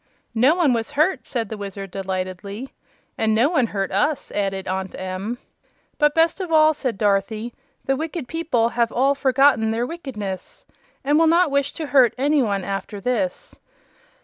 "No one was hurt," said the Wizard, delightedly. "And no one hurt us," added Aunt Em. "But, best of all," said Dorothy, "the wicked people have all forgotten their wickedness, and will not wish to hurt any one after this."